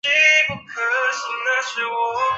随后当地百姓自立冶县。